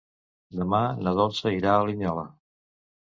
Demà na Dolça irà a Linyola.